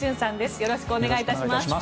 よろしくお願いします。